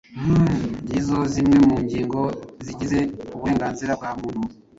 Ngizo zimwe mu ngingo zigize uburenganzira bwa muntu.